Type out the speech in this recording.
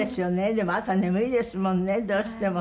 でも朝眠いですもんねどうしても。